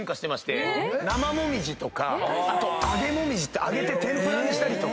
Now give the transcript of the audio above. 生もみじとか揚げもみじって揚げて天ぷらにしたりとか。